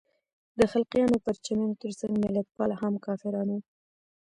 د خلقیانو او پرچمیانو تر څنګ ملتپال هم کافران وو.